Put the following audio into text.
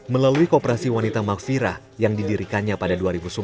melalui kooperasi wanita maxfira yang didirikannya pada dua ribu sebelas